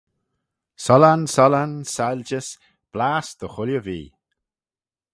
Sollan, sollan saljys blass dy chooilley vee.